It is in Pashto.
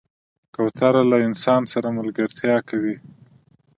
کوتره له انسان سره ملګرتیا کوي.